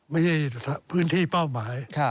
ไม่ใช่พื้นที่เป้าหมาย